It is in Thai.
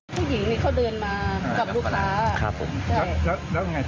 ผู้หญิงนี่เขาเดินมากับลูกค้าใช่แล้วอย่างไรต่อ